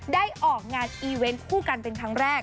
ได้ออกงานคู่กันเป็นครั้งแรก